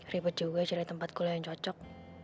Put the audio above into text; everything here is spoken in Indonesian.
ribet juga cari tempat kuliah yang cocok